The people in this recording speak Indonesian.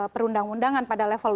perundang undangan pada level